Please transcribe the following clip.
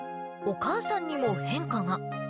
お母さんにも変化が。